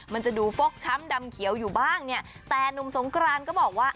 มันจะดูฟกช้ำดำเขียวอยู่บ้างเนี่ยแต่หนุ่มสงกรานก็บอกว่า